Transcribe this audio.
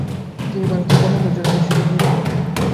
তিনি ভারতের গভর্নর-জেনারেল হিসাবে নিয়োজিত হন।